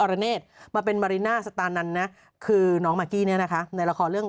แต่สำหรับผู้จัดคนเก่งอย่างพี่ไก่